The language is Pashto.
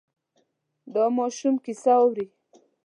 دا ماشوم کیسه اوري.